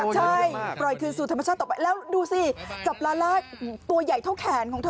ใช่ปล่อยคืนสู่ธรรมชาติต่อไปแล้วดูสิจับลาล่าตัวใหญ่เท่าแขนของเธอ